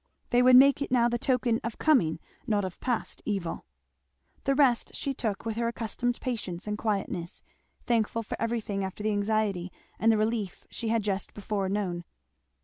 They would make it now the token of coming, not of past, evil. The rest she took with her accustomed patience and quietness, thankful for everything after the anxiety and the relief she had just before known.